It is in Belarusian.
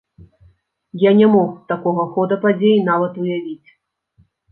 Я не мог такога хода падзей нават уявіць.